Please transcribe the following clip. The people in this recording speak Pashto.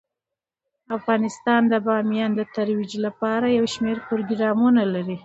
افغانستان د بامیان د ترویج لپاره یو شمیر پروګرامونه لري.